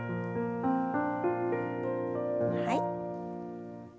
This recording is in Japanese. はい。